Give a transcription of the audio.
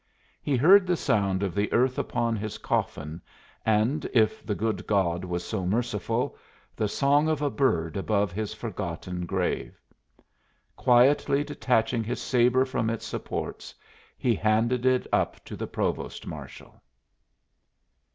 He heard the sound of the earth upon his coffin and (if the good God was so merciful) the song of a bird above his forgotten grave. Quietly detaching his sabre from its supports, he handed it up to the provost marshal.